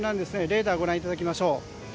レーダーをご覧いただきましょう。